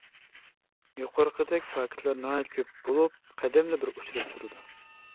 يۇقىرىقىدەك پاكىتلار ناھايىتى كۆپ بولۇپ قەدەمدە بىر ئۇچراپ تۇرىدۇ.